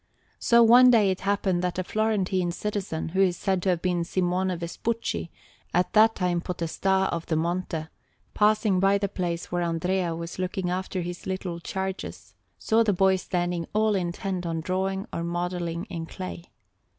So one day it happened that a Florentine citizen, who is said to have been Simone Vespucci, at that time Podestà of the Monte, passing by the place where Andrea was looking after his little charges, saw the boy standing all intent on drawing or modelling in clay.